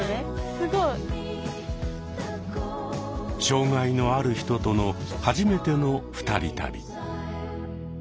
障害のある人との初めての二人旅。